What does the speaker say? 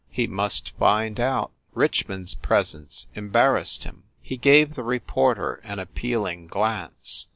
He must find out. Richmond s pres ence embarrassed him. He gave the reporter an ap pealing glance.